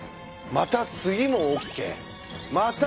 また次もＯＫ！